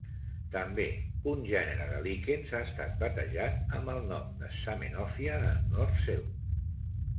També, un gènere de líquens ha estat batejat amb el nom de Zamenhofia en honor seu.